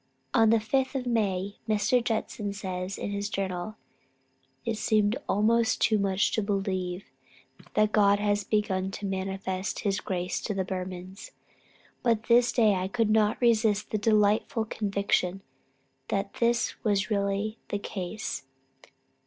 On the 5th of May Mr. Judson says in his journal, "It seems almost too much to believe that God has begun to manifest his grace to the Burmans, but this day I could not resist the delightful conviction that this is really the case.